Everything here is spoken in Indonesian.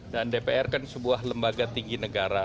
dan dpr kan sebuah lembaga tinggi negara